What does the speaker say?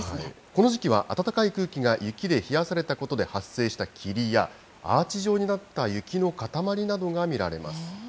この時期は暖かい空気が雪で冷やされたことで発生した霧や、アーチ状になった雪の塊などが見られます。